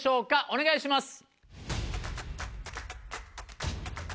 お願いします。